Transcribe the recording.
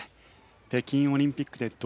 北京オリンピックで銅メダル。